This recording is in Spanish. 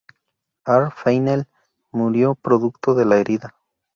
Ar-Feiniel murió producto de la herida.